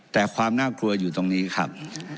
แต่ความน่ากลัวอยู่ตรงนี้ครับ